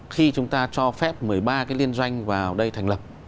khi chúng ta cho phép một mươi ba cái liên doanh vào đây thành lập